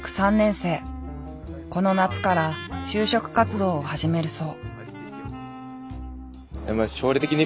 この夏から就職活動を始めるそう。